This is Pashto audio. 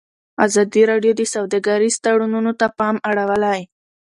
ازادي راډیو د سوداګریز تړونونه ته پام اړولی.